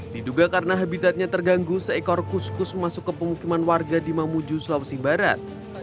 diduga karena habitatnya terganggu seekor kus kus masuk ke pemukiman warga di mamuju sulawesi barat